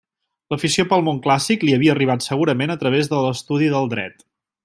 L’afició pel món clàssic li havia arribat segurament a través de l’estudi del dret.